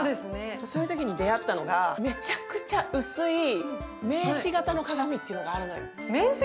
そういうときに出会ったのが、めちゃくちゃ薄い名刺型の鏡があるの。